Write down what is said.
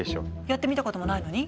やってみたこともないのに？